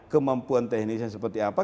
kemampuan teknisnya seperti apa